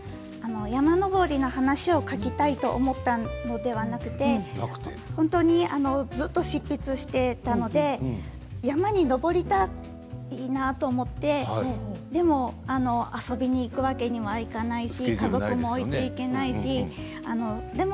山登りの話を書きたいと思ったのではなくて本当にずっと執筆をしていたので山に登りたいなと思ってでも、遊びに行くわけにはいかないし子どもも置いていけないし。